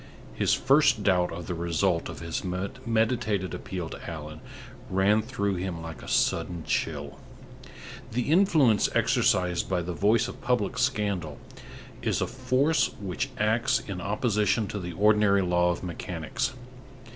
His first doubt of the result of his meditated appeal to Allan ran through him like a sudden chill. The influence exercised by the voice of public scandal is a force which acts in opposition to the ordinary law of mechanics.